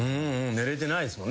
寝れてないですもんね。